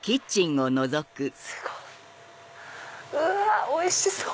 すごい！うわおいしそう！